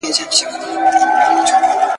شبح سپوږمۍ ممکن له دوړو جوړې وي.